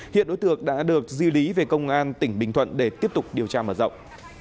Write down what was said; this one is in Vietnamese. hiện đối tượng đã được di lý về công an tỉnh bình thuận để tiếp tục điều tra mở rộng